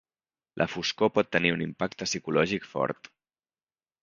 La foscor pot tenir un impacte psicològic fort.